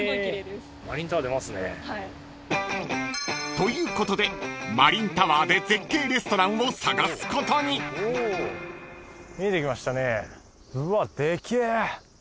［ということでマリンタワーで絶景レストランを探すことに］見えてきましたね。